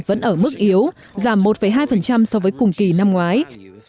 vẫn ở mức yếu giảm một hai so với cùng kỳ năm ngoái